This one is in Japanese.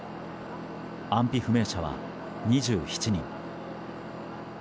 安否不明者は２７人。